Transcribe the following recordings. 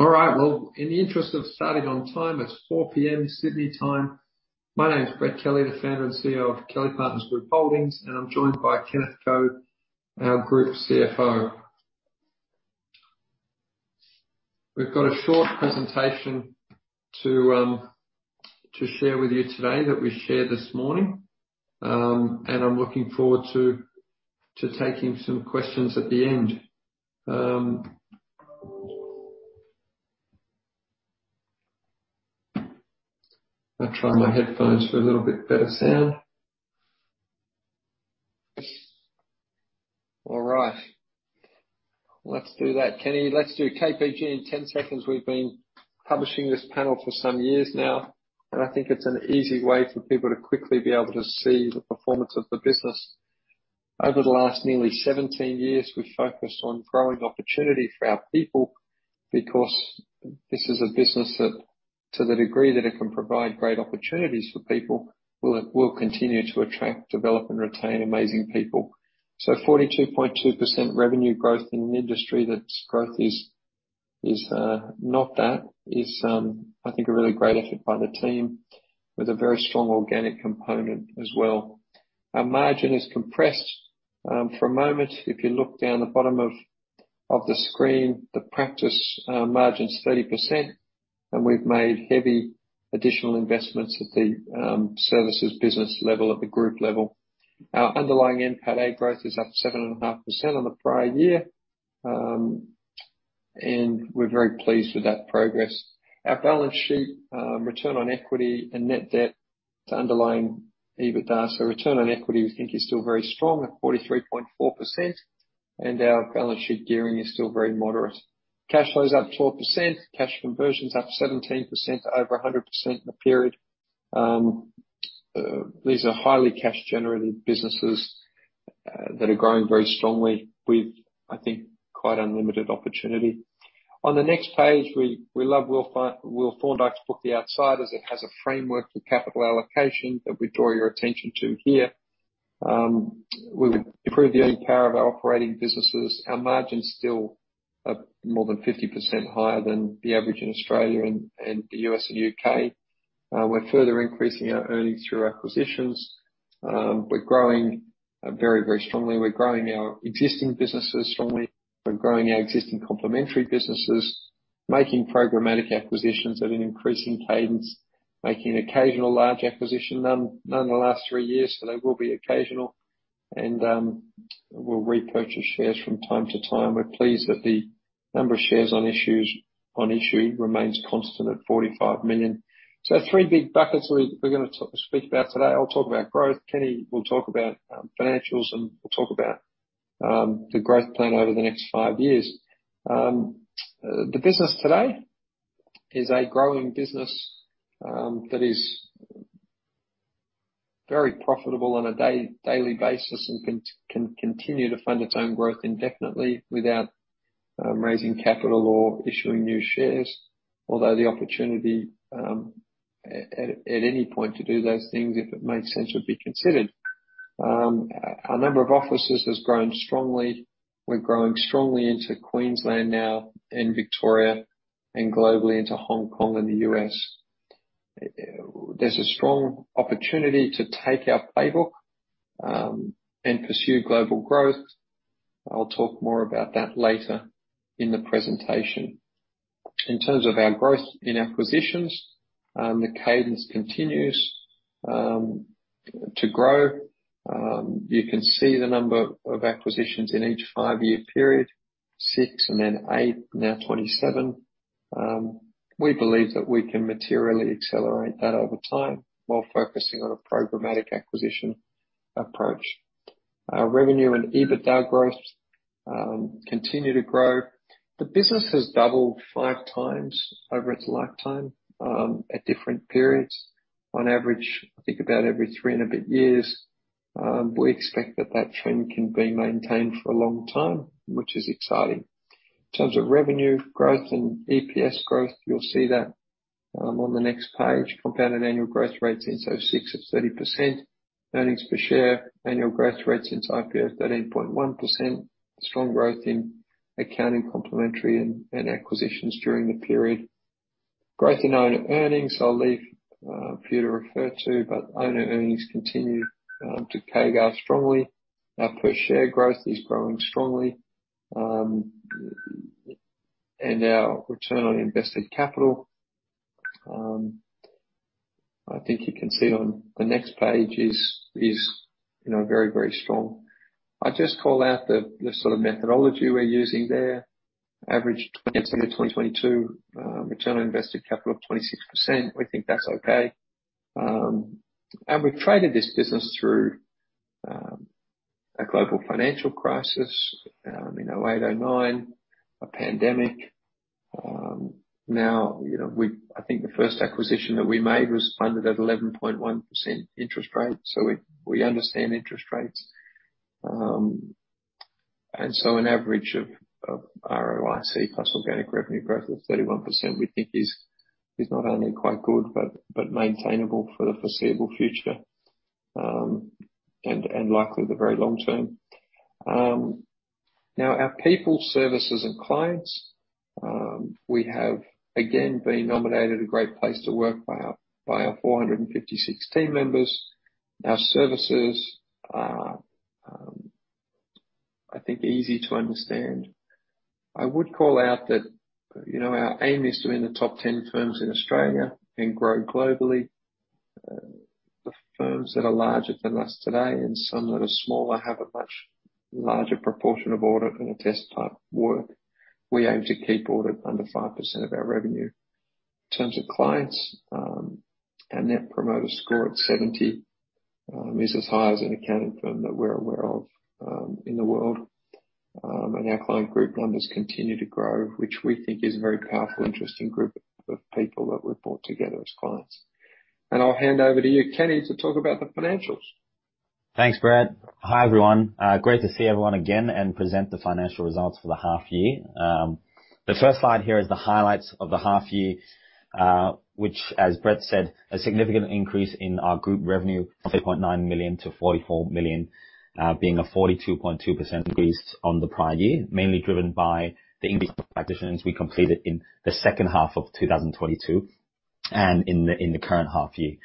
All right. Well, in the interest of starting on time, it's 4:00 A.M. Sydney time. My name is Brett Kelly, the founder and CEO of Kelly Partners Group Holdings. I'm joined by Kenneth Ko, our Group CFO. We've got a short presentation to share with you today that we shared this morning. I'm looking forward to taking some questions at the end. I'll try my headphones for a little bit better sound. All right. Let's do that. Kenneth, let's do KPG in 10 seconds. We've been publishing this panel for some years now. I think it's an easy way for people to quickly be able to see the performance of the business. Over the last nearly 17 years, we've focused on growing opportunity for our people because this is a business that, to the degree that it can provide great opportunities for people, will continue to attract, develop, and retain amazing people. 42.2% revenue growth in an industry that's growth is not that, I think a really great effort by the team with a very strong organic component as well. Our margin is compressed. For a moment, if you look down the bottom of the screen, the practice margin's 30%, and we've made heavy additional investments at the services business level, at the group level. Our underlying NPAT A growth is up 7.5% on the prior year, and we're very pleased with that progress. Our balance sheet, return on equity and net debt to underlying EBITDA. Return on equity, we think, is still very strong at 43.4%, and our balance sheet gearing is still very moderate. Cash flow is up 12%. Cash conversion is up 17%, over 100% in the period. These are highly cash generative businesses that are growing very strongly with, I think, quite unlimited opportunity. On the next page, we love William N. Thorndike, Jr.'s book, The Outsiders. It has a framework for capital allocation that we draw your attention to here. We would improve the earning power of our operating businesses. Our margins still are more than 50% higher than the average in Australia and the U.S. and U.K. We're further increasing our earnings through acquisitions. We're growing very strongly. We're growing our existing businesses strongly. We're growing our existing complementary businesses, making programmatic acquisitions at an increasing cadence, making occasional large acquisition. None in the last three years, so they will be occasional. We'll repurchase shares from time to time. We're pleased that the number of shares on issue remains constant at 45 million. Three big buckets we're gonna speak about today. I'll talk about growth. Kenneth will talk about financials. We'll talk about the growth plan over the next five years. The business today is a growing business that is very profitable on a daily basis and can continue to fund its own growth indefinitely without raising capital or issuing new shares. Although the opportunity at any point to do those things, if it made sense, would be considered. Our number of offices has grown strongly. We're growing strongly into Queensland now and Victoria and globally into Hong Kong and the US. There's a strong opportunity to take our playbook and pursue global growth. I'll talk more about that later in the presentation. In terms of our growth in acquisitions, the cadence continues to grow. You can see the number of acquisitions in each 5-year period, six and then eight, now 27. We believe that we can materially accelerate that over time while focusing on a programmatic acquisition approach. Our revenue and EBITDA growth continue to grow. The business has doubled 5x over its lifetime at different periods. On average, I think about every three and a bit years. We expect that that trend can be maintained for a long time, which is exciting. In terms of revenue growth and EPS growth, you'll see that on the next page. Compounded annual growth rate since 2006 is 30%. Earnings per share annual growth rate since IPO, 13.1%. Strong growth in accounting complementary and acquisitions during the period. Growth in owner earnings, I'll leave for you to refer to. Owner earnings continue to CAGR strongly. Our per share growth is growing strongly. Our return on invested capital, I think you can see on the next page, is you know, very, very strong. I just call out the sort of methodology we're using there. Average 2020-2022 return on invested capital of 26%. We think that's okay. We've traded this business through a global financial crisis in 2008-2009, a pandemic. Now, you know, I think the first acquisition that we made was funded at 11.1% interest rate. We understand interest rates. An average of ROIC plus organic revenue growth of 31%, we think is not only quite good, but maintainable for the foreseeable future and likely the very long term. Now our people, services and clients, we have again been nominated a great place to work by our 456 team members. Our services are, I think easy to understand. I would call out that, you know, our aim is to be in the top 10 firms in Australia and grow globally. The firms that are larger than us today and some that are smaller, have a much larger proportion of audit and attest type work. We aim to keep audit under 5% of our revenue. In terms of clients, our Net Promoter Score at 70 is as high as an accounting firm that we're aware of in the world. Our client group numbers continue to grow, which we think is a very powerful, interesting group of people that we've brought together as clients. I'll hand over to you, Kenneth, to talk about the financials. Thanks, Brett. Hi, everyone. Great to see everyone again and present the financial results for the half year. The first slide here is the highlights of the half year, which, as Brett said, a significant increase in our group revenue, 3.9 million-44 million, being a 42.2% increase on the prior year, mainly driven by the industry practitioners we completed in the second half of 2022 and in the current half year.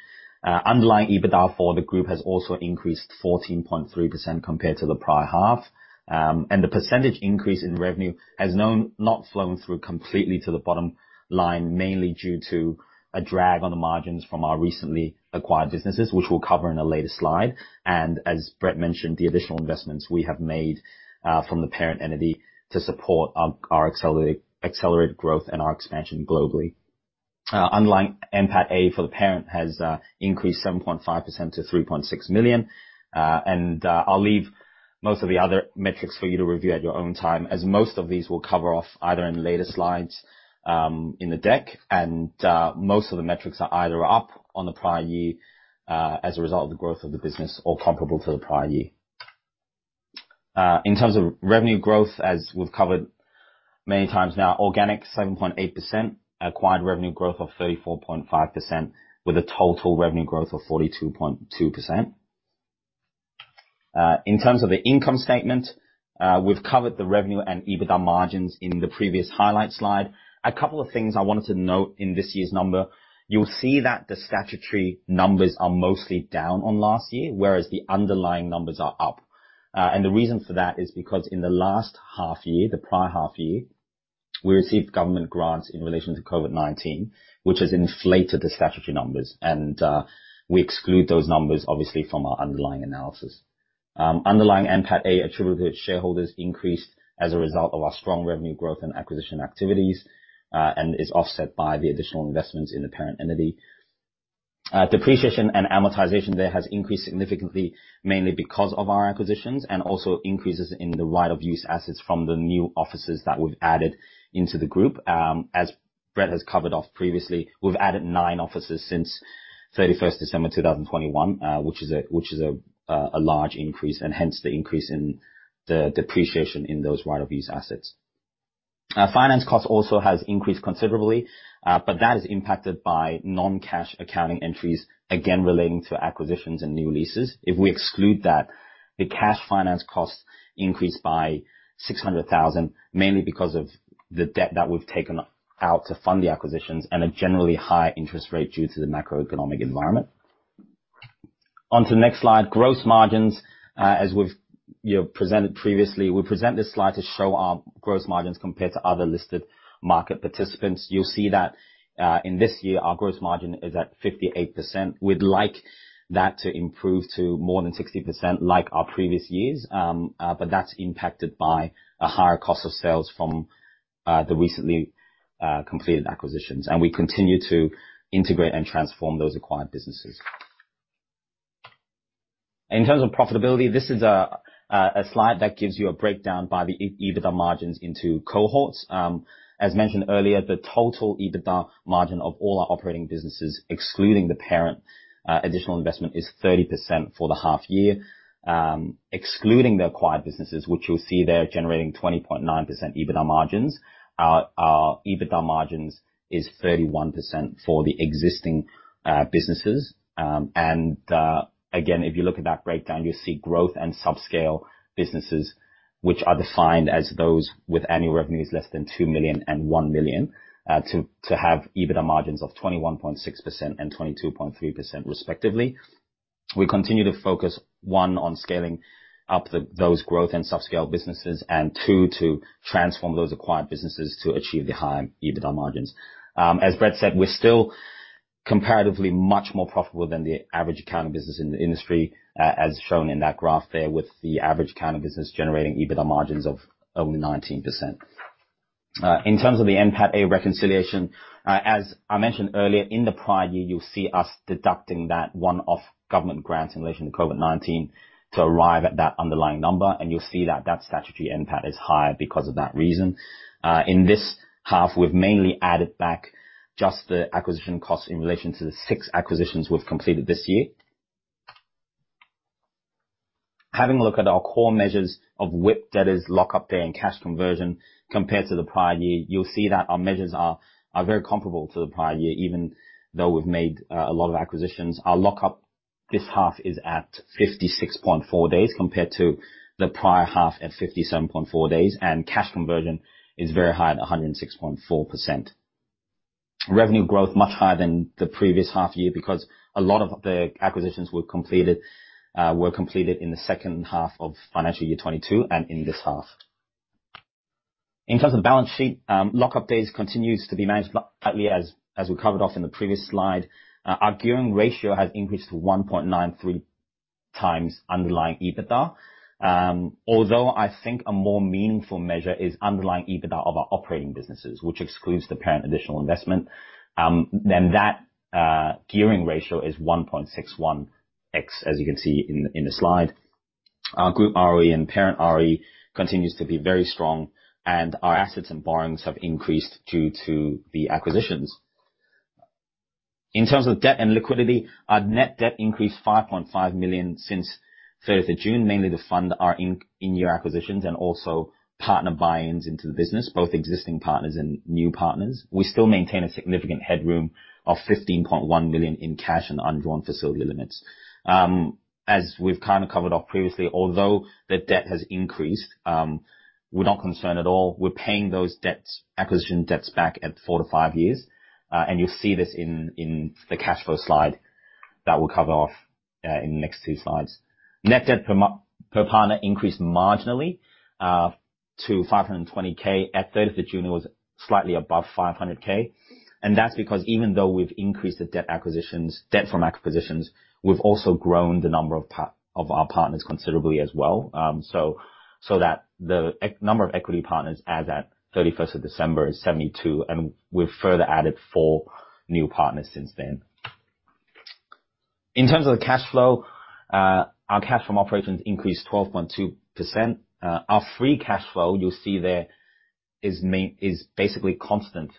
Underlying EBITDA for the group has also increased 14.3% compared to the prior half. The percentage increase in revenue has not flown through completely to the bottom line, mainly due to a drag on the margins from our recently acquired businesses, which we'll cover in a later slide. As Brett mentioned, the additional investments we have made from the parent entity to support our accelerated growth and our expansion globally. Underlying NPAT A for the parent has increased 7.5% to 3.6 million. I'll leave most of the other metrics for you to review at your own time, as most of these will cover off either in later slides in the deck. Most of the metrics are either up on the prior year as a result of the growth of the business or comparable to the prior year. In terms of revenue growth, as we've covered many times now, organic 7.8%, acquired revenue growth of 34.5% with a total revenue growth of 42.2%. In terms of the income statement, we've covered the revenue and EBITDA margins in the previous highlight slide. A couple of things I wanted to note in this year's number. You'll see that the statutory numbers are mostly down on last year, whereas the underlying numbers are up. The reason for that is because in the last half year, the prior half year, we received government grants in relation to COVID-19, which has inflated the statutory numbers. We exclude those numbers obviously from our underlying analysis. Underlying NPAT A attributable to shareholders increased as a result of our strong revenue growth and acquisition activities, and is offset by the additional investments in the parent entity. Depreciation and amortization there has increased significantly mainly because of our acquisitions and also increases in the right of use assets from the new offices that we've added into the group. As Brett has covered off previously. We've added nine offices since 31st December 2021, which is a large increase and hence the increase in the depreciation in those right of use assets. Finance cost also has increased considerably, but that is impacted by non-cash accounting entries, again relating to acquisitions and new leases. If we exclude that, the cash finance costs increased by 600,000 mainly because of the debt that we've taken out to fund the acquisitions and a generally high interest rate due to the macroeconomic environment. On to the next slide. Gross margins, as we've, you know, presented previously, we present this slide to show our gross margins compared to other listed market participants. You'll see that, in this year, our gross margin is at 58%. We'd like that to improve to more than 60% like our previous years, but that's impacted by a higher cost of sales from the recently completed acquisitions, and we continue to integrate and transform those acquired businesses. In terms of profitability, this is a slide that gives you a breakdown by the EBITDA margins into cohorts. As mentioned earlier, the total EBITDA margin of all our operating businesses, excluding the parent, additional investment, is 30% for the half year. Excluding the acquired businesses, which you'll see there generating 20.9% EBITDA margins. Our EBITDA margins is 31% for the existing businesses. Again, if you look at that breakdown, you'll see growth and subscale businesses which are defined as those with annual revenues less than 2 million and 1 million, to have EBITDA margins of 21.6% and 22.3% respectively. We continue to focus, one, on scaling up those growth and subscale businesses, and two, to transform those acquired businesses to achieve the higher EBITDA margins. As Brett said, we're still comparatively much more profitable than the average accounting business in the industry, as shown in that graph there, with the average accounting business generating EBITDA margins of only 19%. In terms of the NPAT A reconciliation, as I mentioned earlier, in the prior year, you'll see us deducting that one-off government grant in relation to COVID-19 to arrive at that underlying number, you'll see that that statutory NPAT is higher because of that reason. In this half, we've mainly added back just the acquisition costs in relation to the six acquisitions we've completed this year. Having a look at our core measures of WIP, that is lock up there and cash conversion compared to the prior year, you'll see that our measures are very comparable to the prior year, even though we've made a lot of acquisitions. Our lock up this half is at 56.4 days compared to the prior half at 57.4 days, cash conversion is very high at 106.4%. Revenue growth much higher than the previous half year because a lot of the acquisitions were completed in the second half of financial year 2022 and in this half. In terms of balance sheet, lock-up days continues to be managed partly as we covered off in the previous slide. Our gearing ratio has increased to 1.93x underlying EBITDA. Although I think a more meaningful measure is underlying EBITDA of our operating businesses, which excludes the parent additional investment, then that gearing ratio is 1.61x, as you can see in the slide. Our group ROE and parent ROE continues to be very strong, and our assets and borrowings have increased due to the acquisitions. In terms of debt and liquidity, our net debt increased 5.5 million since third of June, mainly to fund our in-year acquisitions and also partner buy-ins into the business, both existing partners and new partners. We still maintain a significant headroom of 15.1 million in cash and undrawn facility limits. As we've kind of covered off previously, although the debt has increased, we're not concerned at all. We're paying those debts, acquisition debts back at 4-5 years. You'll see this in the cash flow slide that we'll cover off in the next two slides. Net debt per partner increased marginally to 520K. At third of June, it was slightly above 500K. That's because even though we've increased the debt acquisitions, debt from acquisitions, we've also grown the number of our partners considerably as well. That the number of equity partners as at thirty-first of December is 72, and we've further added four new partners since then. In terms of the cash flow, our cash from operations increased 12.2%. Our free cash flow, you'll see there, is basically constant,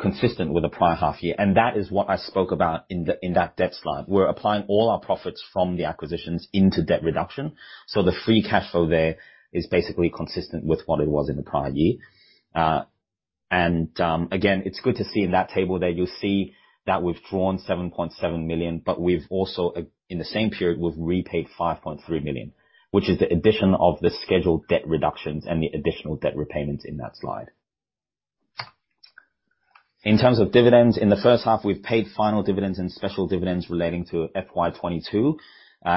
consistent with the prior half year. That is what I spoke about in the, in that debt slide. We're applying all our profits from the acquisitions into debt reduction. The free cash flow there is basically consistent with what it was in the prior year. Again, it's good to see in that table there, you'll see that we've drawn 7.7 million, but we've also, in the same period, we've repaid 5.3 million, which is the addition of the scheduled debt reductions and the additional debt repayments in that slide. In terms of dividends, in the first half, we've paid final dividends and special dividends relating to FY22.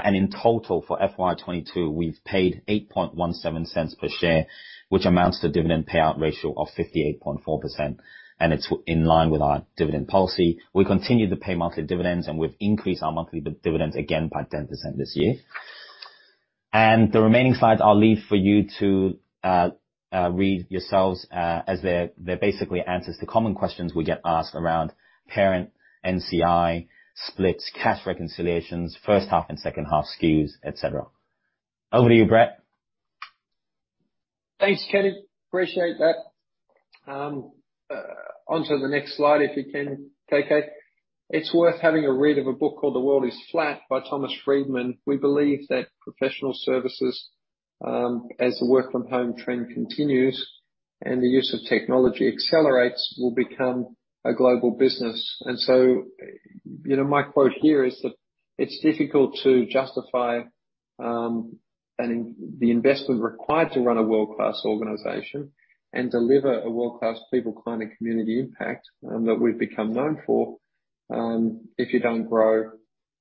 In total, for FY22, we've paid 0.0817 per share, which amounts to dividend payout ratio of 58.4%, and it's in line with our dividend policy. We continue to pay monthly dividends, we've increased our monthly dividends again by 10% this year. The remaining slides I'll leave for you to read yourselves, as they're basically answers to common questions we get asked around parent NCI, splits, cash reconciliations, first half and second half skews, et cetera. Over to you, Brett. Thanks, Kenneth. Appreciate that. On to the next slide, if you can, KK. It's worth having a read of a book called The World Is Flat by Thomas Friedman. We believe that professional services, as the work from home trend continues and the use of technology accelerates, will become a global business. You know, my quote here is that it's difficult to justify the investment required to run a world-class organization and deliver a world-class people, client, and community impact that we've become known for, if you don't grow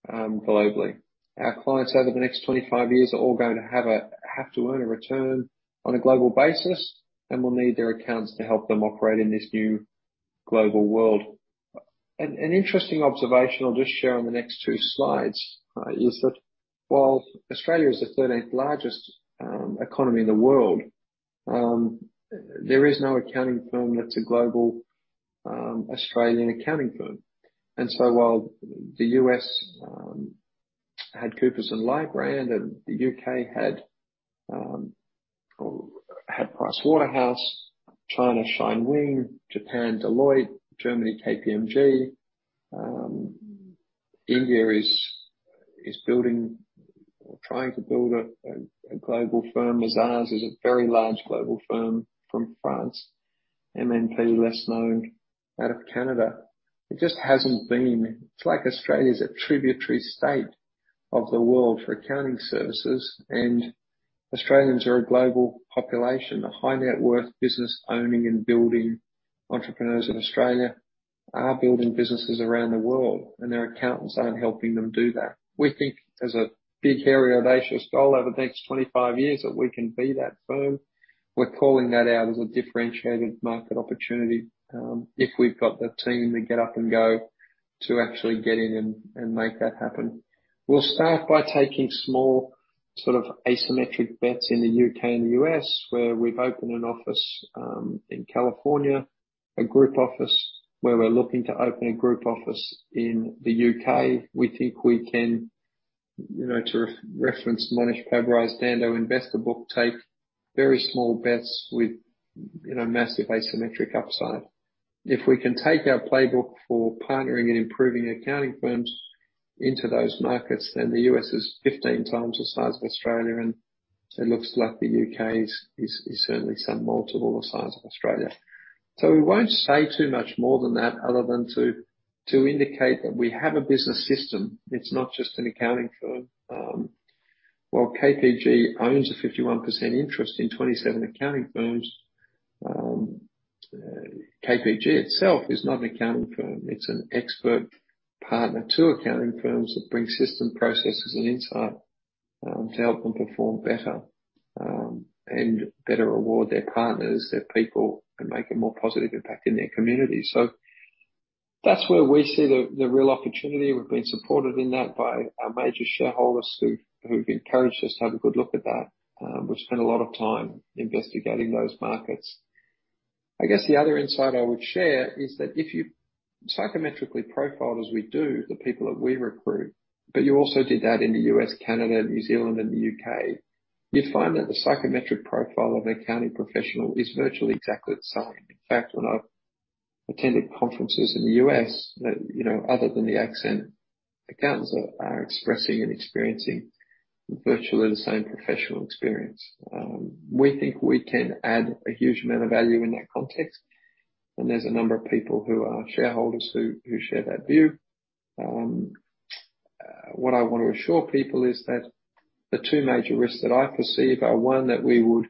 globally. Our clients over the next 25 years are all going to have to earn a return on a global basis and will need their accountants to help them operate in this new global world. An interesting observation I'll just share on the next two slides, is that while Australia is the 13th largest economy in the world, there is no accounting firm that's a global Australian accounting firm. While the U.S. had Coopers & Lybrand, and the U.K. had Price Waterhouse, China, ShineWing, Japan, Deloitte, Germany, KPMG, India is building or trying to build a global firm. Mazars is a very large global firm from France. MNP, less known out of Canada. It just hasn't been. It's like Australia's a tributary state of the world for accounting services, Australians are a global population. The high net worth business owning and building entrepreneurs in Australia are building businesses around the world, their accountants aren't helping them do that. We think there's a big, hairy, audacious goal over the next 25 years that we can be that firm. We're calling that out as a differentiated market opportunity, if we've got the team, the get up and go to actually get in and make that happen. We'll start by taking small, sort of asymmetric bets in the U.K. and the U.S., where we've opened an office in California, a group office, where we're looking to open a group office in the U.K. We think we can, you know, reference Mohnish Pabrai's The Dhandho Investor book, take very small bets, You know, massive asymmetric upside. If we can take our playbook for partnering and improving accounting firms into those markets, the U.S. is 15x the size of Australia, and it looks like the U.K. is certainly some multiple the size of Australia. We won't say too much more than that other than to indicate that we have a business system. It's not just an accounting firm. While KPG owns a 51% interest in 27 accounting firms, KPG itself is not an accounting firm. It's an expert partner to accounting firms that bring system processes and insight to help them perform better and better reward their partners, their people, and make a more positive impact in their community. That's where we see the real opportunity. We've been supported in that by our major shareholders who've encouraged us to have a good look at that. We've spent a lot of time investigating those markets. I guess the other insight I would share is that if you psychometrically profile, as we do, the people that we recruit, but you also did that in the U.S., Canada, New Zealand and the U.K., you'd find that the psychometric profile of an accounting professional is virtually exactly the same. In fact, when I've attended conferences in the U.S. that, you know, other than the accent, accountants are expressing and experiencing virtually the same professional experience. We think we can add a huge amount of value in that context. There's a number of people who are shareholders who share that view. What I wanna assure people is that the two major risks that I perceive are, one, that we would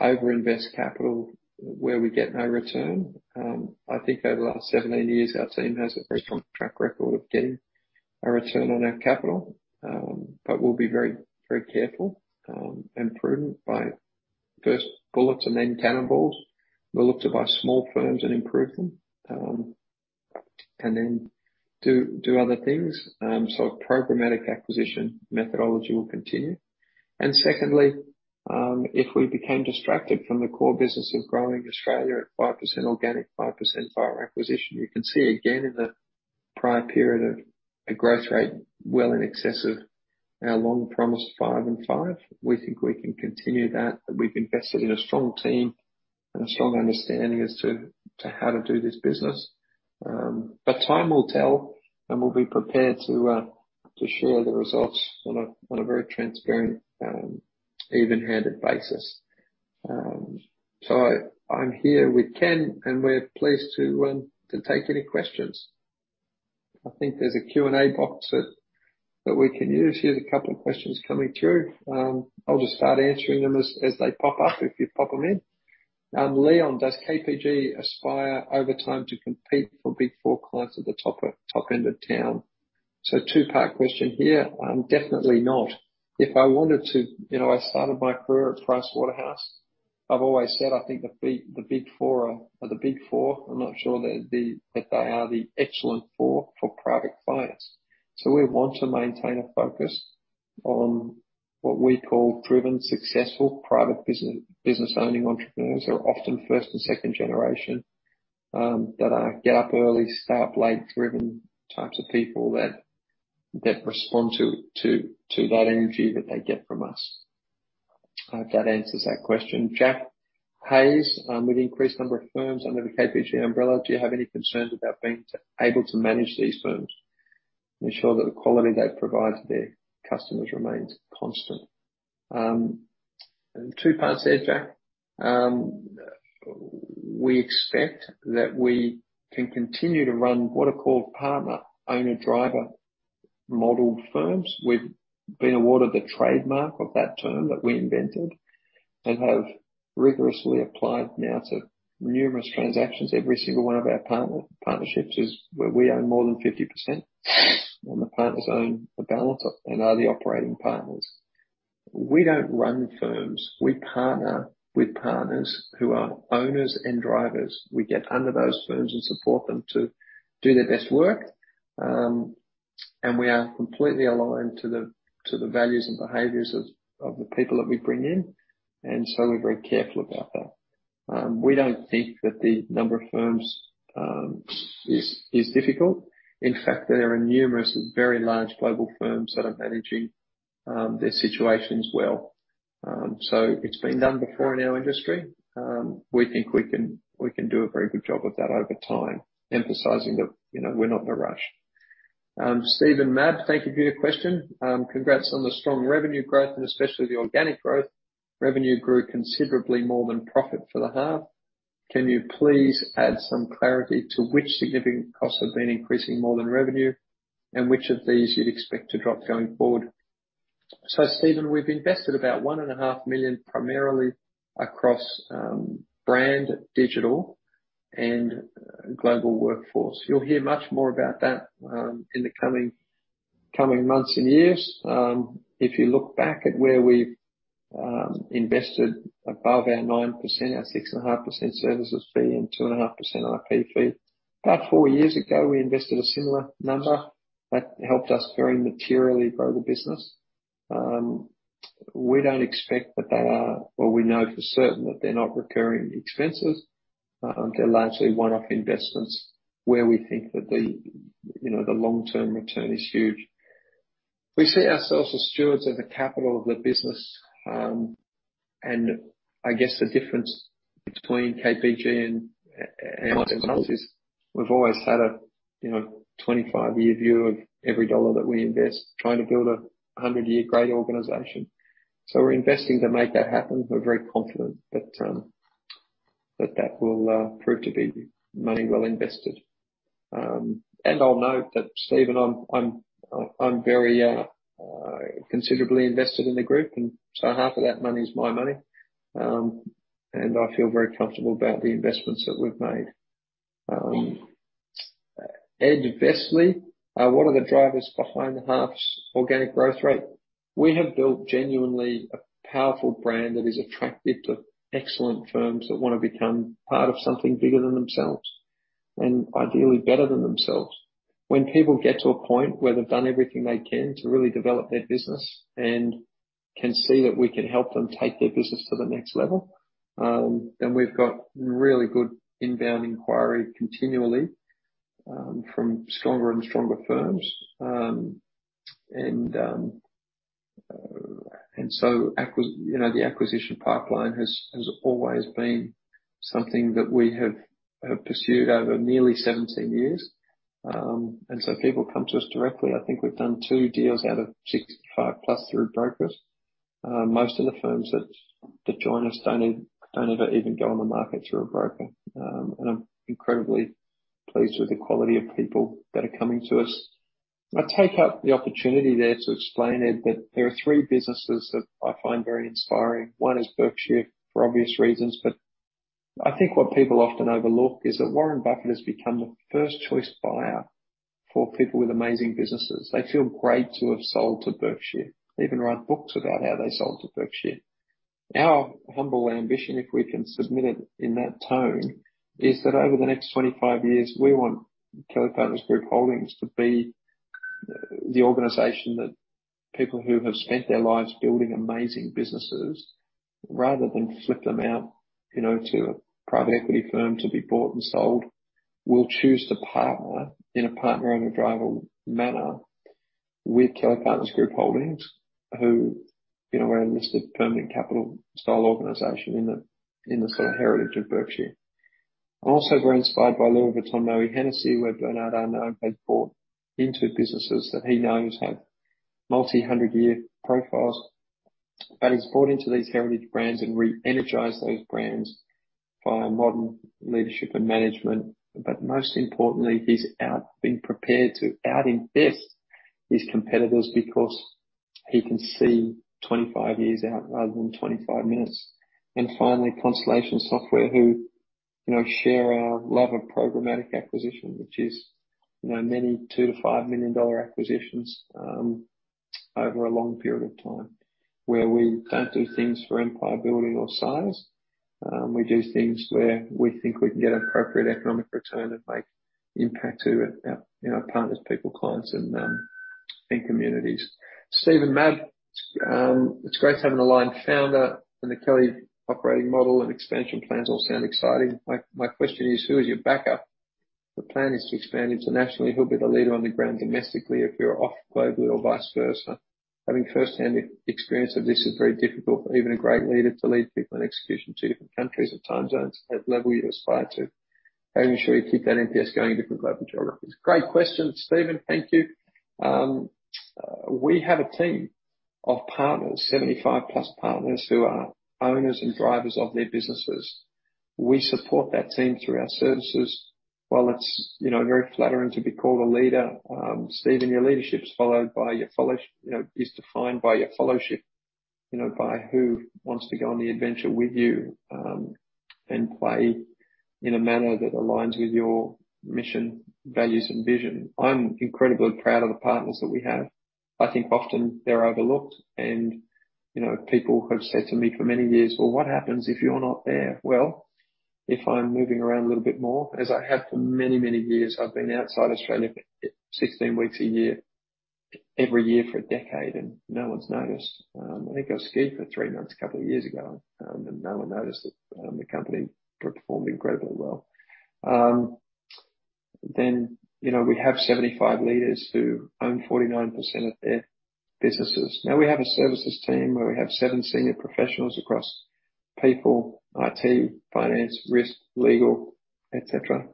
over-invest capital where we get no return. I think over the last seven, eight years, our team has a very strong track record of getting a return on our capital. We'll be very, very careful, and prudent by first bullets and then cannonballs. We'll look to buy small firms and improve them, and then do other things. Programmatic acquisition methodology will continue. Secondly, if we became distracted from the core business of growing Australia at 5% organic, 5% buyer acquisition. You can see again in the prior period of a growth rate well in excess of our long promised five in five. We think we can continue that. We've invested in a strong team and a strong understanding as to how to do this business. Time will tell, and we'll be prepared to share the results on a very transparent, even-handed basis. I'm here with Ken, and we're pleased to take any questions. I think there's a Q&A box that we can use. Here's a couple of questions coming through. I'll just start answering them as they pop up if you pop them in. Leon, does KPG aspire over time to compete for big four clients at the top end of town? Two-part question here. Definitely not. If I wanted to, you know, I started my career at Pricewaterhouse. I've always said I think the big four are the big four. I'm not sure they are the excellent four for private clients. We want to maintain a focus on what we call proven successful private business-owning entrepreneurs, or often first and second generation, that are get up early, stay up late, driven types of people that respond to that energy that they get from us. I hope that answers that question. Jack Hayes, with increased number of firms under the KPG umbrella, do you have any concerns about being able to manage these firms, ensure that the quality they provide to their customers remains constant? Two parts there, Jack. We expect that we can continue to run what are called partner-owner-driver model firms. We've been awarded the trademark of that term that we invented and have rigorously applied now to numerous transactions. Every single one of our partner, partnerships is where we own more than 50%, the partners own the balance of and are the operating partners. We don't run firms. We partner with partners who are owners and drivers. We get under those firms and support them to do their best work. We are completely aligned to the values and behaviors of the people that we bring in. We're very careful about that. We don't think that the number of firms is difficult. In fact, there are numerous and very large global firms that are managing their situations well. It's been done before in our industry. We think we can do a very good job of that over time, emphasizing that, you know, we're not in a rush. Steven Mabb, thank you for your question. Congrats on the strong revenue growth and especially the organic growth. Revenue grew considerably more than profit for the half. Can you please add some clarity to which significant costs have been increasing more than revenue and which of these you'd expect to drop going forward? Steven, we've invested about 1.5 million, primarily across brand, digital and global workforce. You'll hear much more about that in the coming months and years. If you look back at where we've invested above our 9%, our 6.5% services fee and 2.5% RP fee, about four years ago, we invested a similar number that helped us very materially grow the business. We don't expect that they are, or we know for certain that they're not recurring expenses. They're largely one-off investments where we think that the, you know, the long-term return is huge. We see ourselves as stewards of the capital of the business. I guess the difference between KPG and ourselves is we've always had a, you know, 25-year view of every dollar that we invest trying to build a 100-year great organization. We're investing to make that happen. We're very confident that that will prove to be money well invested. I'll note that, Steven, I'm very considerably invested in the group, half of that money is my money. I feel very comfortable about the investments that we've made. Ed Vesely, "What are the drivers behind the half's organic growth rate?" We have built genuinely a powerful brand that is attractive to excellent firms that wanna become part of something bigger than themselves and ideally better than themselves. When people get to a point where they've done everything they can to really develop their business and can see that we can help them take their business to the next level, then we've got really good inbound inquiry continually from stronger and stronger firms. You know, the acquisition pipeline has always been something that we have pursued over nearly 17 years. People come to us directly. I think we've done two deals out of 65 plus through brokers. Most of the firms that join us don't ever even go on the market through a broker. I'm incredibly pleased with the quality of people that are coming to us. I take up the opportunity there to explain it, but there are three businesses that I find very inspiring. One is Berkshire for obvious reasons, but I think what people often overlook is that Warren Buffett has become the first choice buyer for people with amazing businesses. They feel great to have sold to Berkshire. They even write books about how they sold to Berkshire. Our humble ambition, if we can submit it in that tone, is that over the next 25 years, we want Kelly Partners Group Holdings to be the organization that people who have spent their lives building amazing businesses, rather than flip them out, you know, to a private equity firm to be bought and sold, will choose to partner in a partner and a driver manner with Kelly Partners Group Holdings, who, you know, we're a listed permanent capital style organization in the, in the sort of heritage of Berkshire. I'm also very inspired by Louis Vuitton Moët Hennessy, where Bernard Arnault has bought into businesses that he knows have multi-hundred year profiles, but he's bought into these heritage brands and re-energized those brands via modern leadership and management. Most importantly, he's been prepared to out invest his competitors because he can see 25 years out rather than 25 minutes. Finally, Constellation Software, who, you know, share our love of programmatic acquisition, which is, you know, many 2 million-5 million dollar acquisitions over a long period of time, where we don't do things for employability or size. We do things where we think we can get appropriate economic return and make impact to our, you know, partners, people, clients, and communities. Steven Mabb, it's great to have an aligned founder in the Kelly operating model and expansion plans all sound exciting. My question is, who is your backup? The plan is to expand internationally. Who'll be the leader on the ground domestically if you're off globally or vice versa? Having firsthand experience of this is very difficult for even a great leader to lead people in execution to different countries or time zones at level you aspire to. How do you ensure you keep that NPS going in different global geographies?" Great question, Steven. Thank you. We have a team of partners, 75+ partners who are owners and drivers of their businesses. We support that team through our services. While it's, you know, very flattering to be called a leader, Steven, your leadership's followed by your you know, is defined by your followship, you know, by who wants to go on the adventure with you, and play in a manner that aligns with your mission, values, and vision. I'm incredibly proud of the partners that we have. I think often they're overlooked and, you know, people have said to me for many years, "Well, what happens if you're not there?" If I'm moving around a little bit more, as I have for many, many years. I've been outside Australia for 16 weeks a year, every year for a decade, and no one's noticed. I think I was skiing for three months a couple of years ago, and no one noticed it. The company performed incredibly well. You know, we have 75 leaders who own 49% of their businesses. Now we have a services team where we have seven senior professionals across people, IT, finance, risk, legal, et cetera,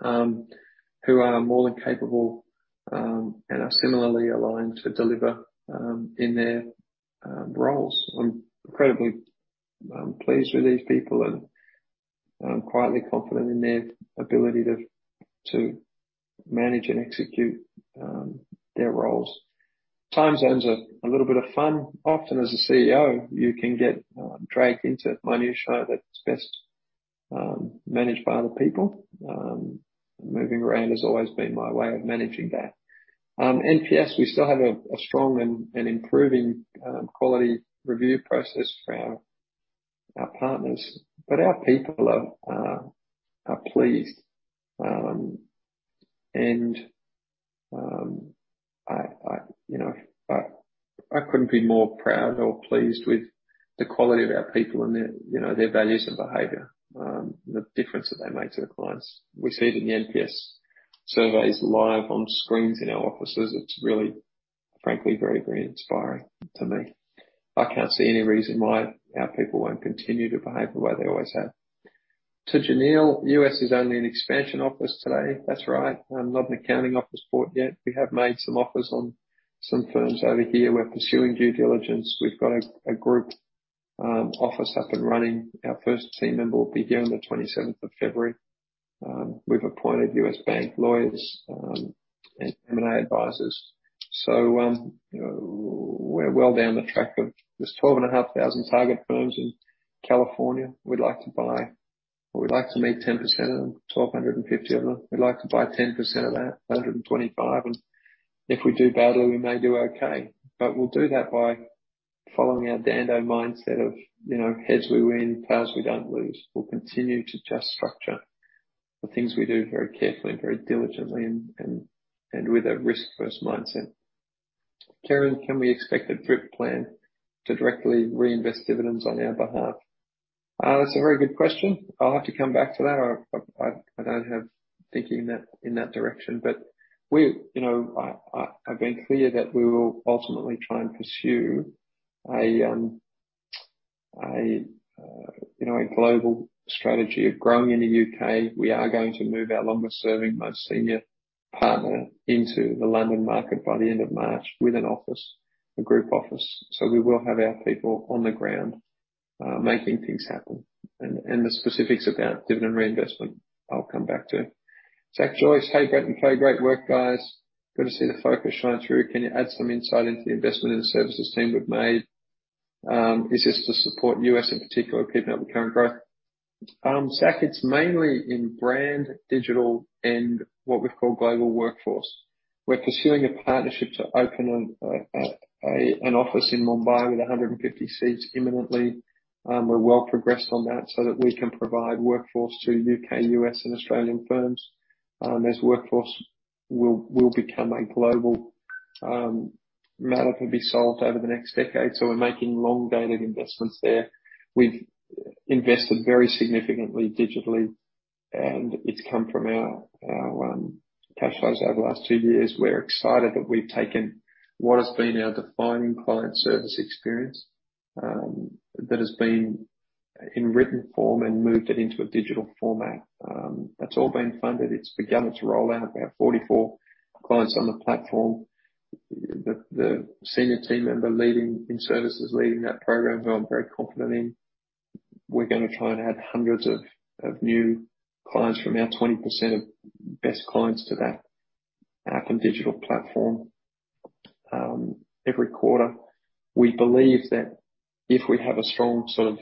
who are more than capable, and are similarly aligned to deliver in their roles. I'm incredibly pleased with these people and I'm quietly confident in their ability to manage and execute their roles. Time zones are a little bit of fun. Often as a CEO, you can get dragged into minutia that's best managed by other people. Moving around has always been my way of managing that. NPS, we still have a strong and improving quality review process for our partners. Our people are pleased. I, you know, I couldn't be more proud or pleased with the quality of our people and their, you know, their values and behavior, the difference that they make to the clients. We see it in the NPS surveys live on screens in our offices. It's really, frankly, very inspiring to me. I can't see any reason why our people won't continue to behave the way they always have. To Janelle, U.S. is only an expansion office today. That's right. Not an accounting office bought yet. We have made some offers on some firms over here. We're pursuing due diligence. We've got a group office up and running. Our first team member will be here on the 27th of February. We've appointed U.S. bank lawyers and M&A advisors. You know, we're well down the track of this 12,500 target firms in California we'd like to buy. We'd like to meet 10% of them, 1,250 of them. We'd like to buy 10% of that, 125. If we do badly, we may do okay. We'll do that by following our Dhandho mindset of, you know, heads we win, tails we don't lose. We'll continue to just structure the things we do very carefully and very diligently and with a risk-first mindset. Karen, can we expect a DRIP plan to directly reinvest dividends on our behalf? That's a very good question. I'll have to come back to that. I don't have thinking in that direction. We, you know, I've been clear that we will ultimately try and pursue a, you know, a global strategy of growing in the U.K. We are going to move our longest-serving, most senior partner into the London market by the end of March with an office, a group office. We will have our people on the ground, making things happen. The specifics about dividend reinvestment, I'll come back to. Zach Joyce: Hey, Grant and Clay. Great work, guys. Good to see the focus shine through. Can you add some insight into the investment in the services team we've made? Is this to support U.S. in particular, or keeping up with current growth? Zach, it's mainly in brand, digital, and what we call global workforce. We're pursuing a partnership to open an office in Mumbai with 150 seats imminently. We're well progressed on that so that we can provide workforce to UK, U.S., and Australian firms. As workforce will become a global matter to be solved over the next decade. We're making long-dated investments there. We've invested very significantly digitally, and it's come from our cash flows over the last two years. We're excited that we've taken what has been our defining client service experience that has been in written form and moved it into a digital format. That's all been funded. It's begun to roll out. We have 44 clients on the platform. The senior team member leading, in services, leading that program, who I'm very confident in, we're gonna try and add hundreds of new clients from our 20% of best clients to that app and digital platform every quarter. We believe that if we have a strong sort of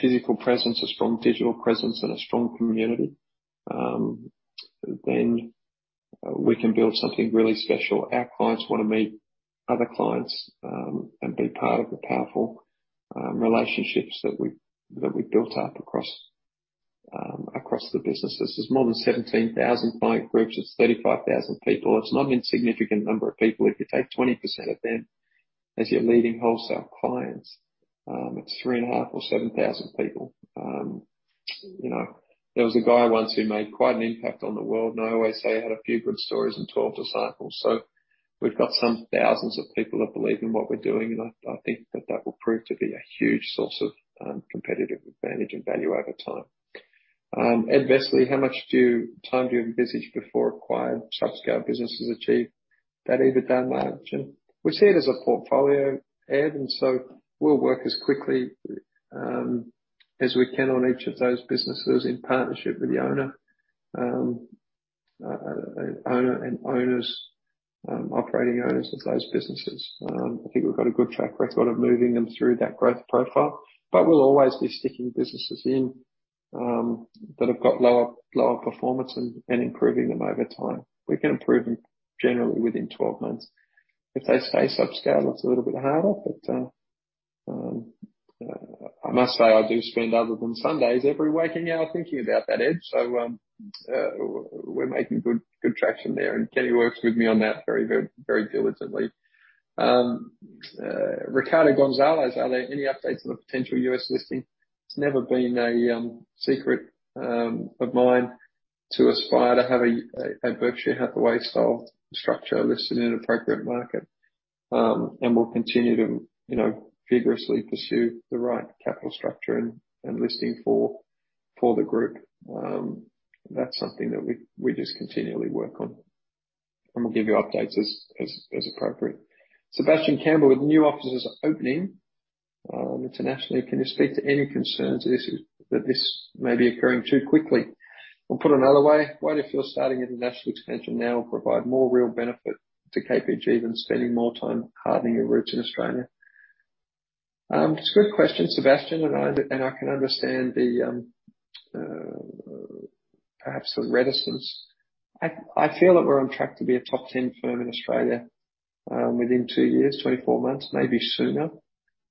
physical presence, a strong digital presence, and a strong community, then we can build something really special. Our clients wanna meet other clients and be part of the powerful relationships that we've built up across the business. This is more than 17,000 client groups. It's 35,000 people. It's not an insignificant number of people. If you take 20% of them as your leading wholesale clients, it's 3,500 or 7,000 people. You know, there was a guy once who made quite an impact on the world, and I always say he had a few good stories and 12 disciples. We've got some thousands of people that believe in what we're doing, and I think that that will prove to be a huge source of competitive advantage and value over time. Ed Vesely: Time do you envisage before acquired sub-scale businesses achieve that EBITDA margin? We see it as a portfolio, Ed, we'll work as quickly as we can on each of those businesses in partnership with the owner and owners, operating owners of those businesses. I think we've got a good track record of moving them through that growth profile, we'll always be sticking businesses in that have got lower performance and improving them over time. We can improve them generally within 12 months. If they stay sub-scale, it's a little bit harder. I must say, I do spend, other than Sundays, every waking hour thinking about that, Ed. We're making good traction there, and Kenneth works with me on that very diligently. Are there any updates on a potential U.S. listing? It's never been a secret of mine to aspire to have a Berkshire Hathaway style structure listed in an appropriate market. We'll continue to, you know, vigorously pursue the right capital structure and listing for the group. That's something that we just continually work on. We'll give you updates as appropriate. Sebastian Campbell: With new offices opening internationally, can you speak to any concerns that this may be occurring too quickly? Put another way, why, if you're starting international expansion now, provide more real benefit to KPG than spending more time hardening your roots in Australia? It's a good question, Sebastian, and I can understand the perhaps the reticence. I feel that we're on track to be a top 10 firm in Australia, within two years, 24 months, maybe sooner.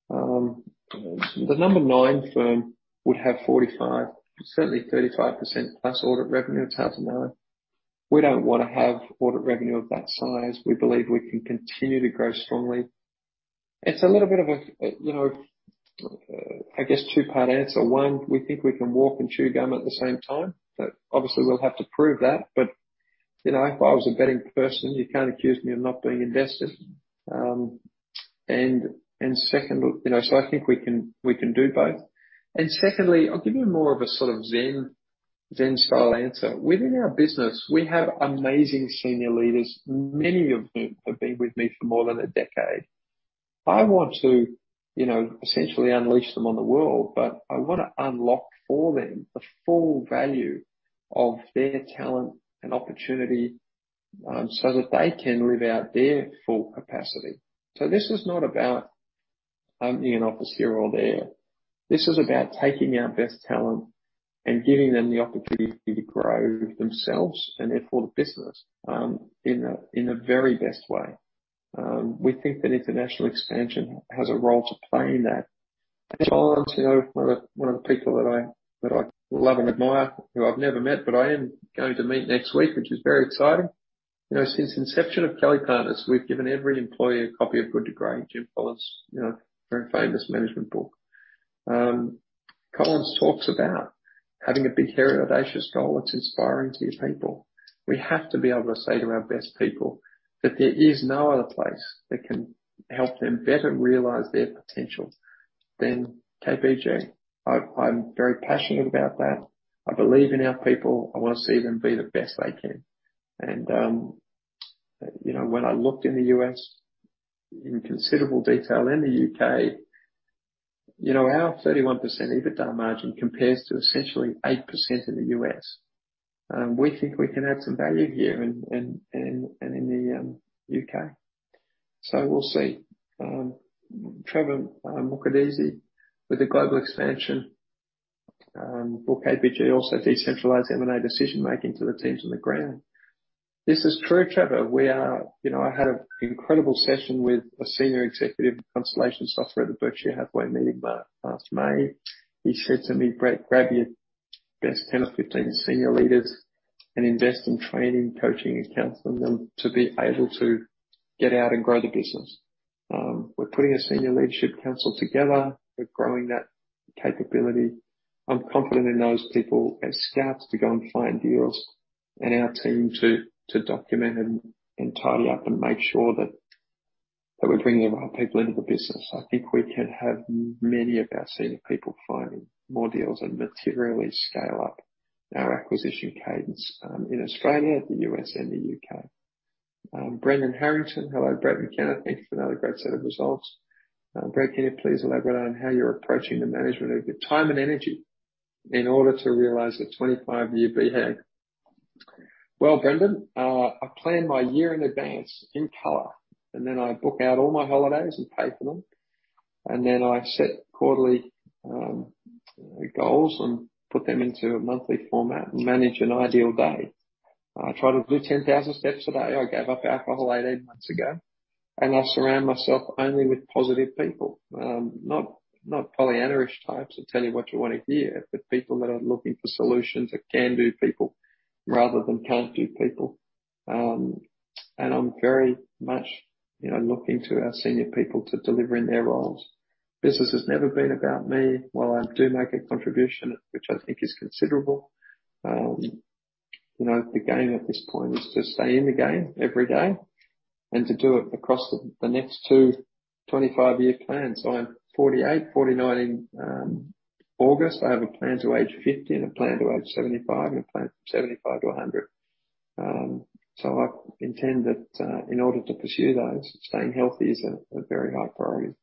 The number nine firm would have 45, certainly 35% plus audit revenue. It's hard to know. We don't wanna have audit revenue of that size. We believe we can continue to grow strongly. It's a little bit of a, you know, I guess two-part answer. One, we think we can walk and chew gum at the same time, but obviously we'll have to prove that. You know, if I was a betting person, you can't accuse me of not being invested. And second, you know, so I think we can, we can do both. Secondly, I'll give you more of a sort of zen style answer. Within our business, we have amazing senior leaders. Many of them have been with me for more than a decade. I want to, you know, essentially unleash them on the world, but I wanna unlock for them the full value of their talent and opportunity, so that they can live out their full capacity. This is not about opening an office here or there. This is about taking our best talent and giving them the opportunity to grow themselves and therefore the business in a very best way. We think that international expansion has a role to play in that. John, you know, one of the people that I love and admire, who I've never met, but I am going to meet next week, which is very exciting. You know, since inception of Kelly+Partners, we've given every employee a copy of Good to Great, Jim Collins, you know, very famous management book. Collins talks about having a big, hairy, audacious goal that's inspiring to your people. We have to be able to say to our best people that there is no other place that can help them better realize their potential than KPG. I'm very passionate about that. I believe in our people. I wanna see them be the best they can. You know, when I looked in the U.S. in considerable detail, in the U.K., you know, our 31% EBITDA margin compares to essentially 8% in the U.S. We think we can add some value here and in the U.K. We'll see. Trevor Muchedzi, with the global expansion, will KPG also decentralize M&A decision-making to the teams on the ground? This is true, Trevor. You know, I had an incredible session with a senior executive at Constellation Software at the Berkshire Hathaway meeting back last May. He said to me, "Brett, grab your best 10 or 15 senior leaders and invest in training, coaching, and counseling them to be able to get out and grow the business." We're putting a senior leadership council together. We're growing that capability. I'm confident in those people as scouts to go and find deals and our team to document and tidy up and make sure that we're bringing the right people into the business. I think we can have many of our senior people finding more deals and materially scale up our acquisition cadence in Australia, the U.S., and the U.K. Brendan Harrington. Hello, Brett, Kenneth. Thank you for another great set of results. Brett, can you please elaborate on how you're approaching the management of your time and energy in order to realize a 25-year BHAG? Well, Brendan, I plan my year in advance in color, and then I book out all my holidays and pay for them. I set quarterly goals and put them into a monthly format and manage an ideal day. I try to do 10,000 steps a day. I gave up alcohol 18 months ago, and I surround myself only with positive people. Not, not Pollyanna-ish types who tell you what you wanna hear, but people that are looking for solutions or can-do people rather than can't-do people. I'm very much, you know, looking to our senior people to deliver in their roles. Business has never been about me. While I do make a contribution, which I think is considerable, you know, the game at this point is to stay in the game every day and to do it across the next two, 25-year plans. I'm 48, 49 in August. I have a plan to age 50 and a plan to age 75 and a plan from 75-100. I intend that, in order to pursue those, staying healthy is a very high priority.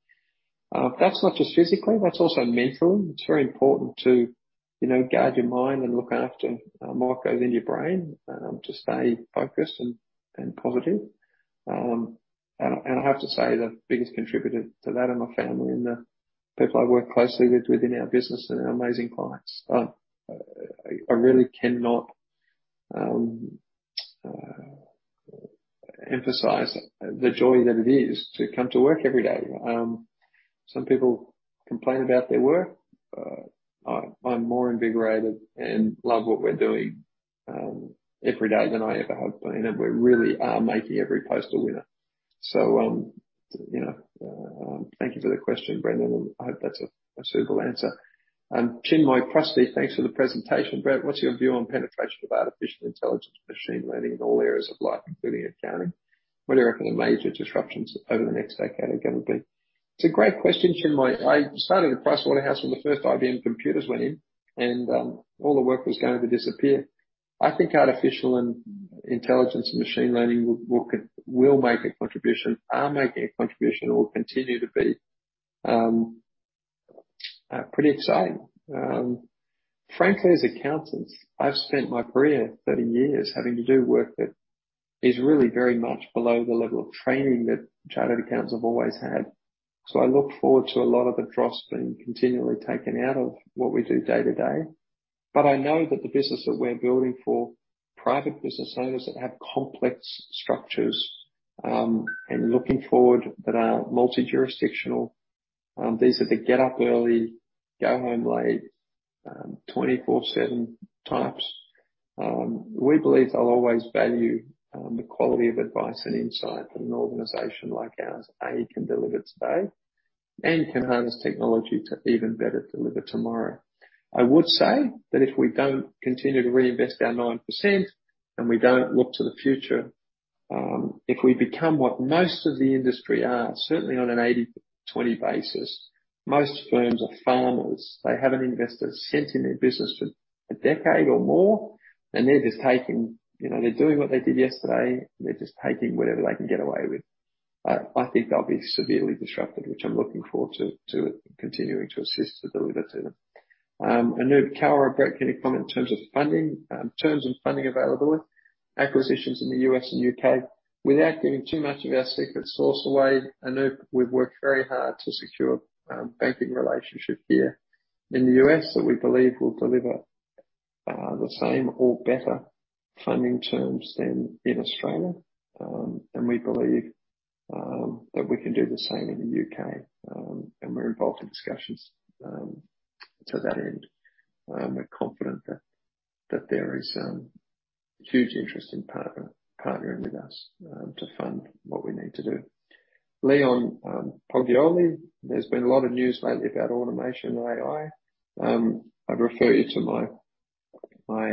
That's not just physically, that's also mentally. It's very important to, you know, guard your mind and look after what goes in your brain, to stay focused and positive. I have to say the biggest contributor to that are my family and the people I work closely with within our business and our amazing clients. I really cannot emphasize the joy that it is to come to work every day. Some people complain about their work. I'm more invigorated and love what we're doing every day than I ever have been, and we really are making every postal winner. You know, thank you for the question, Brendan. I hope that's a suitable answer. Chinmay Prusty. Thanks for the presentation. Brett, what's your view on penetration of artificial intelligence, machine learning in all areas of life, including accounting? What do you reckon the major disruptions over the next decade are gonna be? It's a great question, Chinmay. I started at Price Waterhouse when the first IBM computers went in and all the work was going to disappear. I think artificial and intelligence and machine learning will make a contribution, are making a contribution and will continue to be pretty exciting. Frankly, as accountants, I've spent my career, 30 years, having to do work that is really very much below the level of training that chartered accountants have always had. I look forward to a lot of the dross being continually taken out of what we do day to day. I know that the business that we're building for private business owners that have complex structures, and looking forward that are multi-jurisdictional. These are the get up early, go home late, 24/7 types. We believe they'll always value the quality of advice and insight that an organization like ours, A, can deliver today and can harness technology to even better deliver tomorrow. I would say that if we don't continue to reinvest our 9% and we don't look to the future, if we become what most of the industry are, certainly on an 80/20 basis, most firms are farmers. They haven't invested cents in their business for a decade or more, and they're just taking, you know, they're doing what they did yesterday. They're just taking whatever they can get away with. I think they'll be severely disrupted, which I'm looking forward to continuing to assist to deliver to them. Anup Kaur, a great, can you comment in terms of funding, terms of funding availability, acquisitions in the U.S. and U.K.? Without giving too much of our secret source away, Anup, we've worked very hard to secure a banking relationship here in the U.S. that we believe will deliver the same or better funding terms than in Australia. We believe that we can do the same in the U.K.. We're involved in discussions to that end. We're confident that there is huge interest in partnering with us to fund what we need to do. Leon Poglioli, there's been a lot of news lately about automation and AI. I'd refer you to my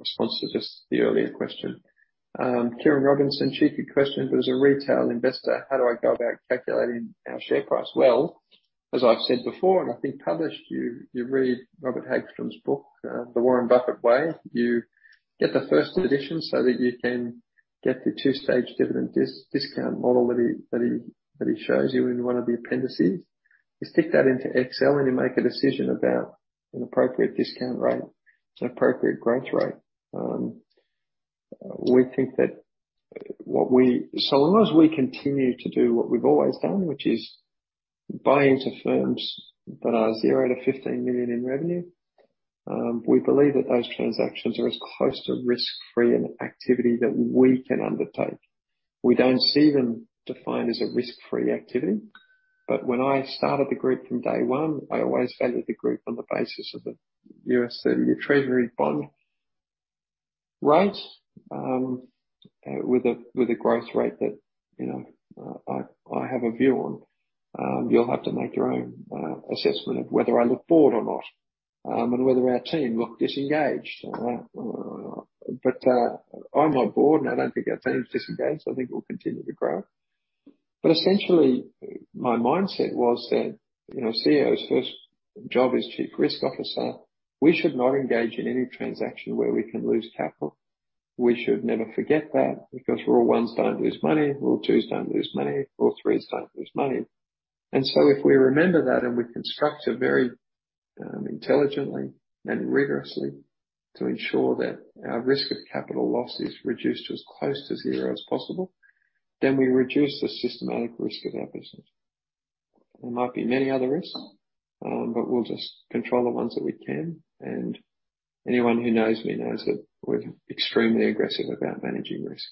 response to just the earlier question. Kieran Robinson, cheeky question. If I was a retail investor, how do I go about calculating our share price? As I've said before, and I think published you read Robert Hagstrom's book, The Warren Buffett Way. You get the first edition so that you can get the two-stage dividend discount model that he shows you in one of the appendices. You stick that into Excel, and you make a decision about an appropriate discount rate, an appropriate growth rate. We think that so long as we continue to do what we've always done, which is buy into firms that are 0-AUD 15 million in revenue, we believe that those transactions are as close to risk-free an activity that we can undertake. We don't see them defined as a risk-free activity. When I started the group from day one, I always valued the group on the basis of the USD Treasury bond rate, with a, with a growth rate that, you know, I have a view on. You'll have to make your own assessment of whether I look bored or not, and whether our team look disengaged. But I'm not bored, and I don't think our team's disengaged. I think we'll continue to grow. Essentially, my mindset was that, you know, CEO's first job is chief risk officer. We should not engage in any transaction where we can lose capital. We should never forget that because rule ones don't lose money, rule twos don't lose money, rule threes don't lose money. If we remember that and we construct a very intelligently and rigorously to ensure that our risk of capital loss is reduced to as close to zero as possible, then we reduce the systematic risk of our business. There might be many other risks, but we'll just control the ones that we can. Anyone who knows me knows that we're extremely aggressive about managing risk.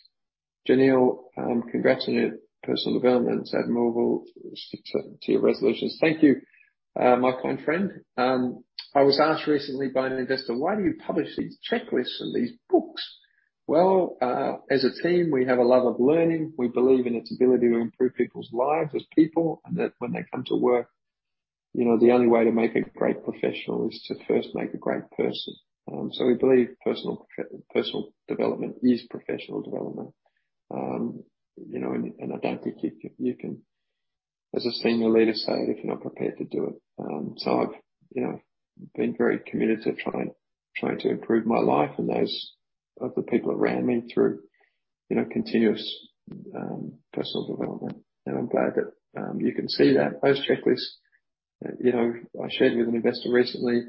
Janelle, congratulate personal development. It's admirable to your resolutions. Thank you, my kind friend. I was asked recently by an investor, "Why do you publish these checklists and these books?" Well, as a team, we have a love of learning. We believe in its ability to improve people's lives as people, that when they come to work, you know, the only way to make a great professional is to first make a great person. We believe personal development is professional development. You know, I don't think you can as a senior leader say it if you're not prepared to do it. I've, you know, been very committed to trying to improve my life and those of the people around me through, you know, continuous personal development. I'm glad that you can see that. Those checklists, you know, I shared with an investor recently,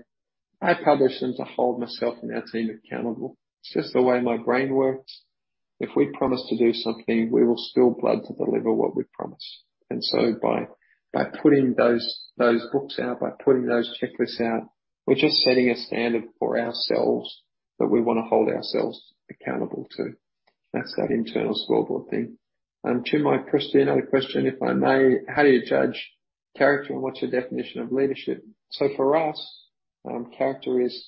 I publish them to hold myself and our team accountable. It's just the way my brain works. If we promise to do something, we will spill blood to deliver what we promise. By putting those books out, by putting those checklists out, we're just setting a standard for ourselves that we wanna hold ourselves accountable to. That's that internal scoreboard thing. To my Christian other question, if I may, how do you judge character, and what's your definition of leadership? For us, character is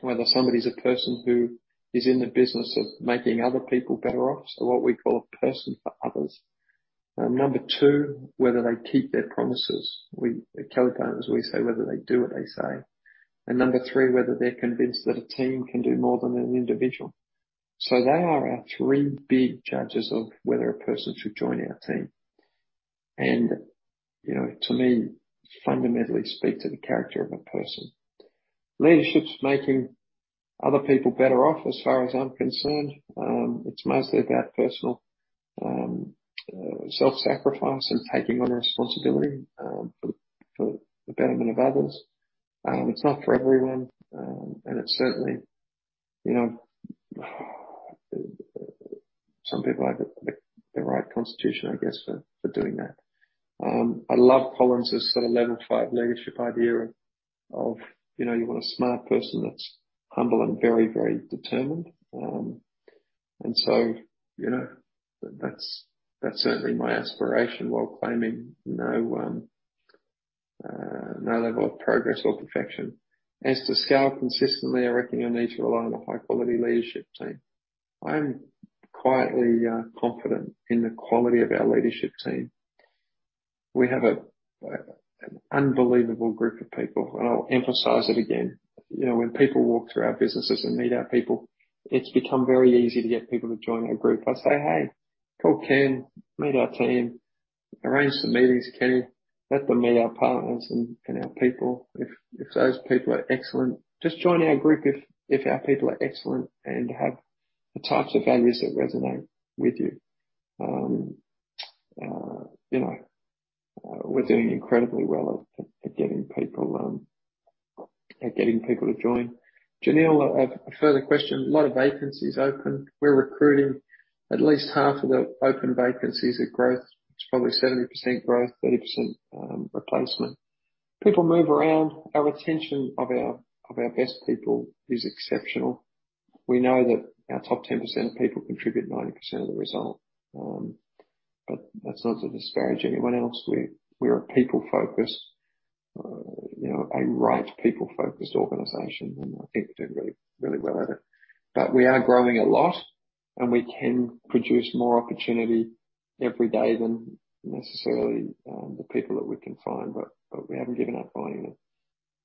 whether somebody's a person who is in the business of making other people better off. What we call a person for others. Number two, whether they keep their promises. We, at Kelly Partners, as we say, whether they do what they say. Number three, whether they're convinced that a team can do more than an individual. They are our three big judges of whether a person should join our team. You know, to me, fundamentally speak to the character of a person. Leadership's making other people better off as far as I'm concerned. It's mostly about personal self-sacrifice and taking on responsibility for the betterment of others. It's not for everyone. It's certainly, you know, some people have the right constitution, I guess, for doing that. I love Collins' sort of level five leadership idea of, you know, you want a smart person that's humble and very, very determined. So, you know, that's certainly my aspiration while claiming no level of progress or perfection. As to scale consistently, I reckon you'll need to rely on a high-quality leadership team. I am quietly confident in the quality of our leadership team. We have an unbelievable group of people, and I'll emphasize it again. You know, when people walk through our businesses and meet our people, it's become very easy to get people to join our group. I say, "Hey, call Ken, meet our team. Arrange some meetings, Ken. Let them meet our partners and our people. If those people are excellent, just join our group. If our people are excellent and have the types of values that resonate with you." You know, we're doing incredibly well at getting people at getting people to join. Janelle, a further question. A lot of vacancies open. We're recruiting at least half of the open vacancies of growth. It's probably 70% growth, 30% replacement. People move around. Our retention of our best people is exceptional. We know that our top 10% of people contribute 90% of the result. That's not to disparage anyone else. We're a people-focused, you know, a right people-focused organization, and I think we're doing really, really well at it. We are growing a lot, and we can produce more opportunity every day than necessarily the people that we can find. We haven't given up finding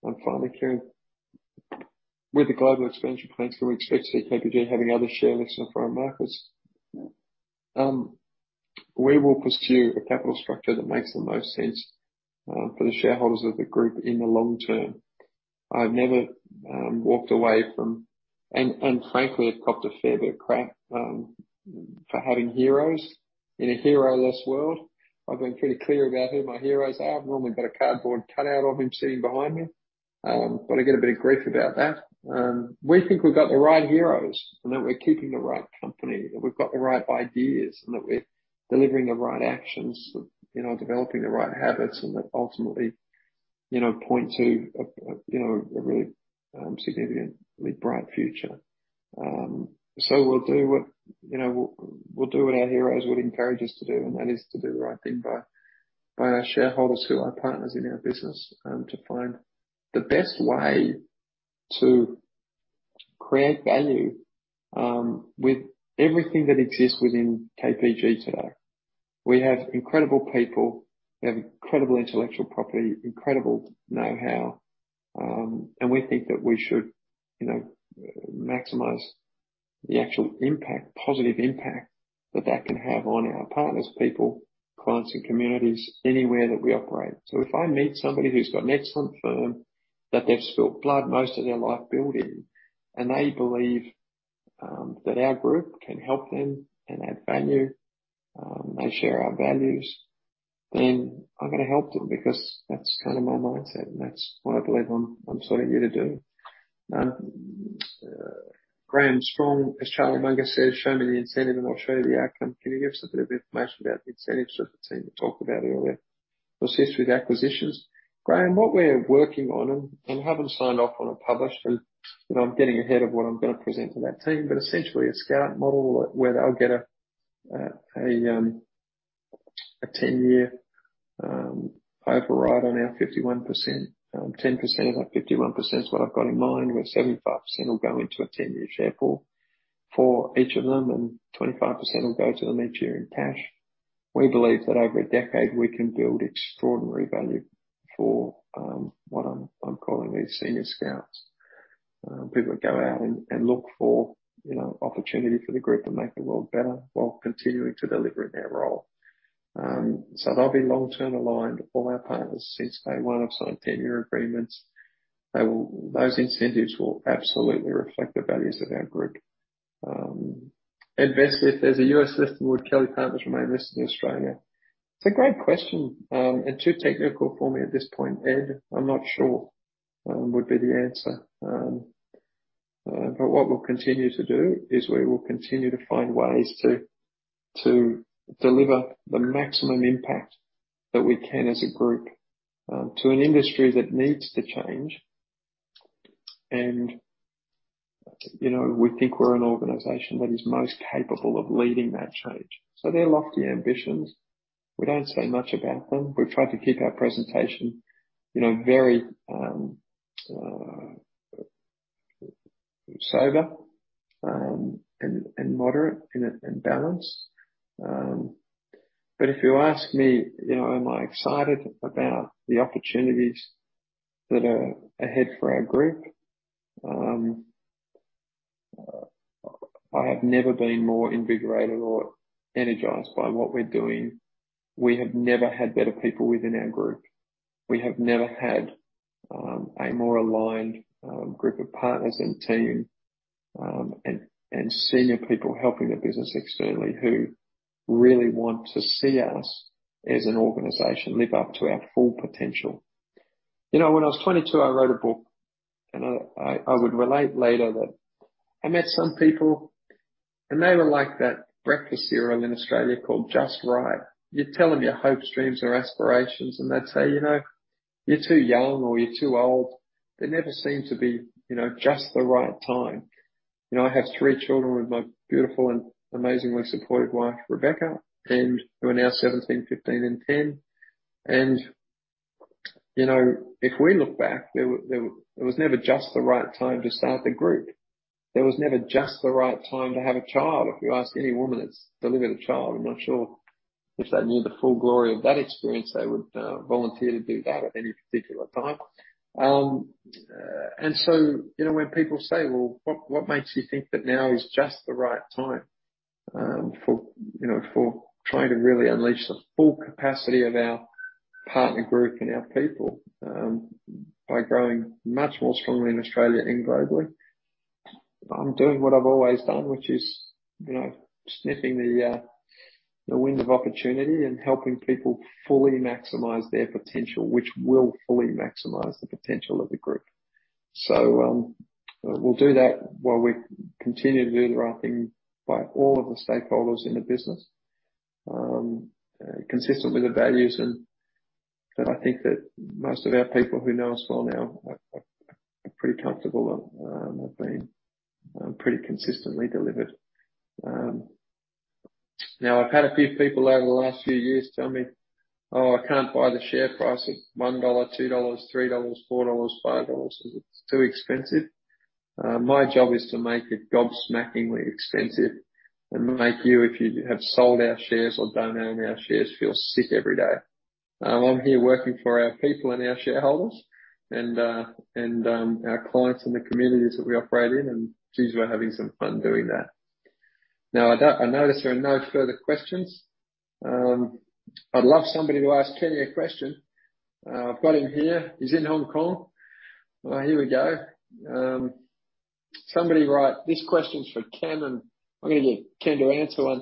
them. Finally, Karen, with the global expansion plans, do we expect KPG having other share lists in the foreign markets? We will pursue a capital structure that makes the most sense for the shareholders of the group in the long term. I've never walked away from... Frankly, I've copped a fair bit of crap for having heroes in a hero-less world. I've been pretty clear about who my heroes are. I've normally got a cardboard cutout of him sitting behind me. I get a bit of grief about that. We think we've got the right heroes and that we're keeping the right company, that we've got the right ideas, and that we're delivering the right actions of, you know, developing the right habits and that ultimately, you know, point to a, you know, a really significantly bright future. We'll do what, you know, we'll do what our heroes would encourage us to do, and that is to do the right thing by our shareholders who are partners in our business, to find the best way to create value with everything that exists within KPG today. We have incredible people. We have incredible intellectual property, incredible know-how, we think that we should, you know, maximize the actual impact, positive impact that that can have on our partners, people, clients and communities anywhere that we operate. If I meet somebody who's got an excellent firm that they've spilled blood most of their life building, and they believe that our group can help them and add value, they share our values, then I'm gonna help them because that's kinda my mindset, and that's what I believe I'm sort of here to do. Graham Strong, as Charlie Munger said, "Show me the incentive, and I'll show you the outcome." Can you give us a bit of information about the incentives that the team talked about earlier? Proceed with acquisitions. Graham Strong, what we're working on and haven't signed off on or published, you know, I'm getting ahead of what I'm gonna present to that team, but essentially a scout model where they'll get a 10-year override on our 51%. 10% of that 51% is what I've got in mind, where 75% will go into a 10-year share pool for each of them, and 25% will go to them each year in cash. We believe that over a decade, we can build extraordinary value for what I'm calling these senior scouts. People that go out and look for, you know, opportunity for the group and make the world better while continuing to deliver in their role. They'll be long-term aligned. All our partners since day one have signed 10-year agreements. They will... Those incentives will absolutely reflect the values of our group. Ed Vesely, if there's a U.S. system, would Kelly Partners remain listed in Australia? It's a great question, and too technical for me at this point, Ed. I'm not sure would be the answer. But what we'll continue to do is we will continue to find ways to deliver the maximum impact that we can as a group, to an industry that needs to change. You know, we think we're an organization that is most capable of leading that change. They're lofty ambitions. We don't say much about them. We've tried to keep our presentation, you know, very sober, and moderate and balanced. If you ask me, you know, am I excited about the opportunities that are ahead for our group, I have never been more invigorated or energized by what we're doing. We have never had better people within our group. We have never had a more aligned group of partners and team and senior people helping the business externally who really want to see us as an organization live up to our full potential. You know, when I was 22, I wrote a book. I would relate later that I met some people, and they were like that breakfast cereal in Australia called Just Right. You tell them your hopes, dreams or aspirations, and they'd say, "You know, you're too young or you're too old. There never seems to be, you know, just the right time. You know, I have three children with my beautiful and amazingly supportive wife, Rebecca, and who are now 17, 15, and 10. you know, if we look back, there was never just the right time to start the group. There was never just the right time to have a child. If you ask any woman that's delivered a child, I'm not sure if they knew the full glory of that experience, they would volunteer to do that at any particular time. You know, when people say, "Well, what makes you think that now is just the right time, for, you know, for trying to really unleash the full capacity of our partner group and our people, by growing much more strongly in Australia and globally?" I'm doing what I've always done, which is, you know, sniffing the wind of opportunity and helping people fully maximize their potential, which will fully maximize the potential of the group. We'll do that while we continue to do the right thing by all of the stakeholders in the business, consistent with the values and that I think that most of our people who know us well now are pretty comfortable that have been pretty consistently delivered. I've had a few people over the last few years tell me, "Oh, I can't buy the share price of $1, $2, $3, $4, $5. It's too expensive." My job is to make it gobsmackingly expensive and make you, if you have sold our shares or don't own our shares, feel sick every day. I'm here working for our people and our shareholders and our clients and the communities that we operate in, and geez, we're having some fun doing that. I notice there are no further questions. I'd love somebody to ask Kenneth a question. I've got him here. He's in Hong Kong. Here we go. Somebody write, "This question's for Ken," and I'll need you, Ken, to answer one.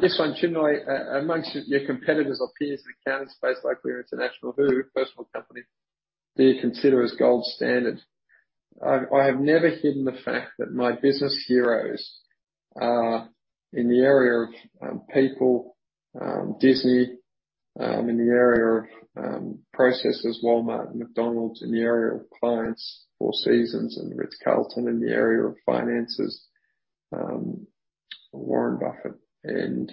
This one, shouldn't I, amongst your competitors or peers in the accounting space like PwC International, who personal company do you consider as gold standard? I've, I have never hidden the fact that my business heroes are in the area of people, Disney, in the area of processes, Walmart and McDonald's. In the area of clients, Four Seasons and Ritz-Carlton. In the area of finances, Warren Buffett and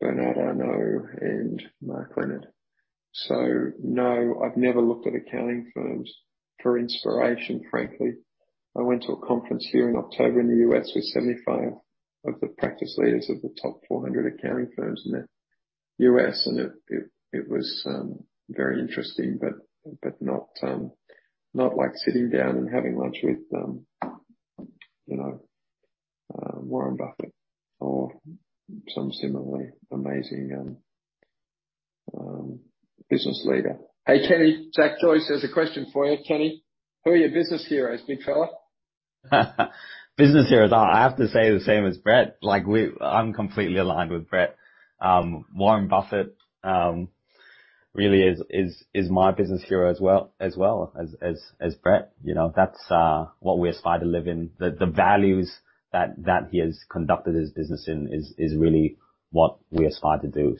Bernard Arnault and Mark Leonard. No, I've never looked at accounting firms for inspiration, frankly. I went to a conference here in October in the U.S. with 75 of the practice leaders of the top 400 accounting firms in the U.S., It was very interesting, but not like sitting down and having lunch with, you know, Warren Buffett or some similarly amazing business leader. Hey, Kenneth, Jack Joyce has a question for you. Kenneth, who are your business heroes, big fella? Business heroes. I have to say the same as Brett. Like I'm completely aligned with Brett. Warren Buffett really is my business hero as well, as well as Brett. You know? That's what we aspire to live in. The values that he has conducted his business in is really what we aspire to do.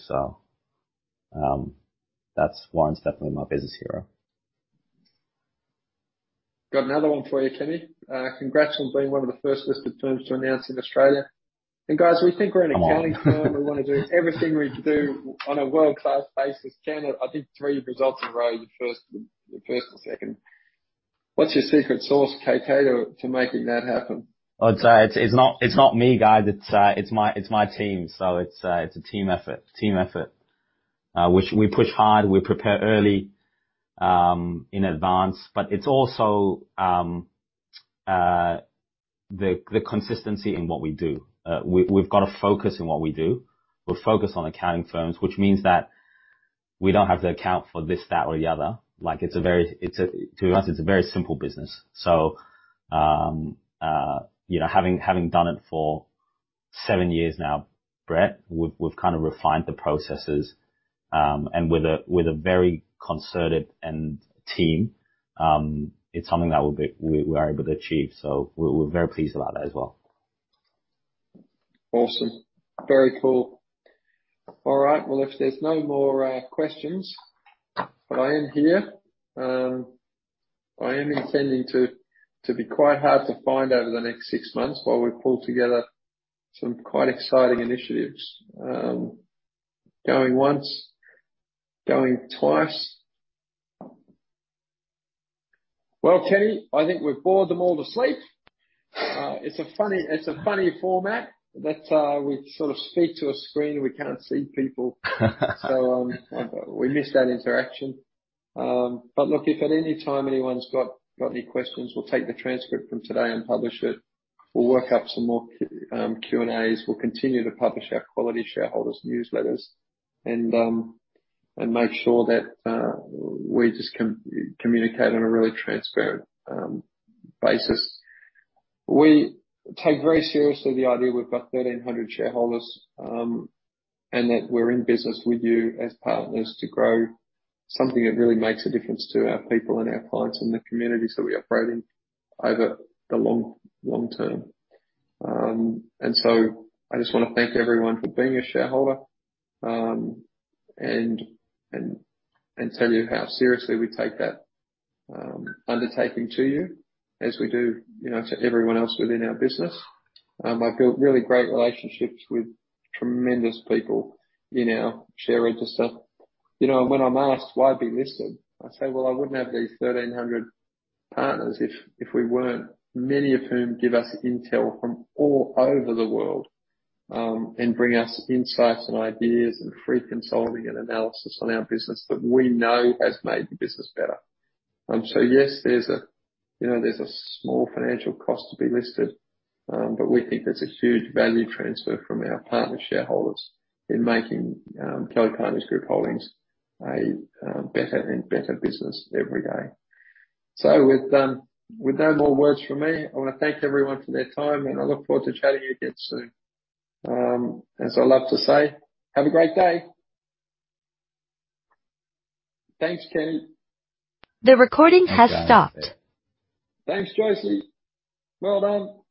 That's Warren's definitely my business hero. Got another one for you, Kenneth. Congrats on being one of the first listed firms to announce in Australia. Guys, we think we're an accounting firm. Come on. We wanna do everything we do on a world-class basis. Ken, I think three results in a row, your first and second. What's your secret sauce, KK, to making that happen? I'd say it's not me, guys. It's my team. It's a team effort. Which we push hard, we prepare early in advance. It's also the consistency in what we do. We've got a focus in what we do. We're focused on accounting firms, which means that we don't have to account for this, that, or the other. To us, it's a very simple business. You know, having done it for 7 years now, Brett, we've kinda refined the processes. With a very concerted team, it's something that we're able to achieve. We're very pleased about that as well. Awesome. Very cool. All right. Well, if there's no more questions, I am here. I am intending to be quite hard to find over the next six months while we pull together some quite exciting initiatives. Going once, going twice. Well, Kenneth, I think we've bored them all to sleep. It's a funny format that we sort of speak to a screen. We can't see people. We miss that interaction. Look, if at any time anyone's got any questions, we'll take the transcript from today and publish it. We'll work up some more Q&A's. We'll continue to publish our quality shareholders newsletters and make sure that we just communicate on a really transparent basis. We take very seriously the idea we've got 1,300 shareholders, and that we're in business with you as partners to grow something that really makes a difference to our people and our clients and the communities that we operate in over the long, long term. I just wanna thank everyone for being a shareholder, and tell you how seriously we take that undertaking to you as we do, you know, to everyone else within our business. I've built really great relationships with tremendous people in our share register. You know, when I'm asked why be listed, I say, "Well, I wouldn't have these 1,300 partners if we weren't." Many of whom give us intel from all over the world, bring us insights and ideas and free consulting and analysis on our business that we know has made the business better. Yes, there's a, you know, there's a small financial cost to be listed, but we think there's a huge value transfer from our partner shareholders in making Kelly Partners Group Holdings a better and better business every day. With no more words from me, I wanna thank everyone for their time, I look forward to chatting you again soon. As I love to say, have a great day. Thanks, Kenneth. The recording has stopped. Thanks, Josie. Well done.